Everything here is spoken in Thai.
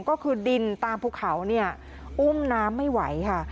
ก็คือดินตามภูเขาเนี่ยอุ้มน้ำไม่ไหวค่ะ